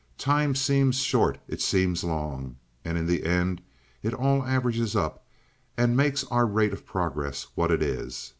Time seems short; it seems long, and in the end it all averages up, and makes our rate of progress what it is.